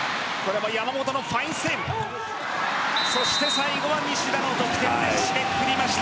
最後は西田の得点で締めくくりました。